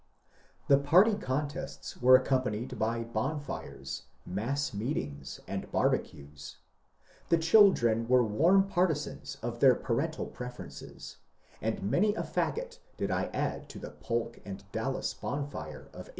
The party contests were accompanied by bonfires, mass meetings, and barbecues. The children were warm partisans of their parental preferences, and many a fagot did I add to the Polk and Dallas bonfire of 1844.